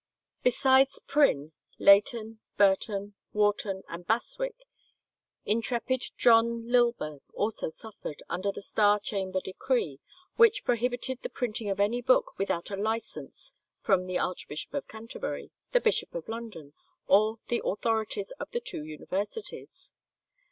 Besides Prynne, Leighton, Burton, Warton, and Bastwick, intrepid John Lilburne also suffered, under the Star Chamber decree, which prohibited the printing of any book without a license from the Archbishop of Canterbury, the Bishop of London, or the authorities of the two universities.